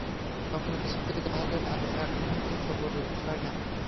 তখন কিছুতেই তাহাদের আর এক মুহূর্ত সবুর সয় না।